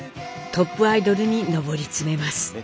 トップアイドルに上り詰めます。